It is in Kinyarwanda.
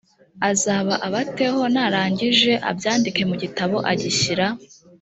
azaba aba teho n arangije abyandika mu gitabo agishyira